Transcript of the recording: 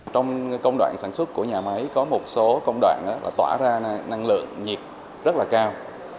trong công đoạn sản xuất của nhà máy có một số công đoạn tỏa ra năng lượng nhiệt rất là cao